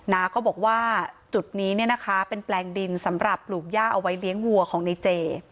น้าก็บอกว่าจุดนี้เนี่ยนะคะเป็นแปลงดินสำหรับปลูกย่าเอาไว้เลี้ยงวัวของในเจ